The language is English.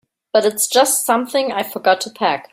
But it's just something I forgot to pack.